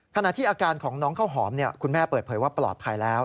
ขณะที่อาการของน้องข้าวหอมคุณแม่เปิดเผยว่าปลอดภัยแล้ว